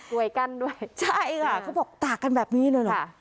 ไว้กั้นด้วยใช่ค่ะเขาบอกตากกันแบบนี้เลยเหรอ